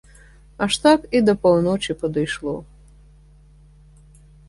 Аж так і да паўночы падышло.